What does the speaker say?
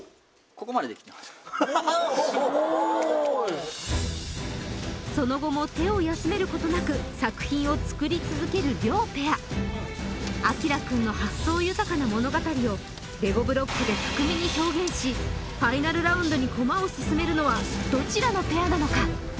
すごーいその後も手を休めることなく作品を作り続ける両ペアアキラくんの発想豊かな物語をレゴブロックで巧みに表現しファイナルラウンドに駒を進めるのはどちらのペアなのか？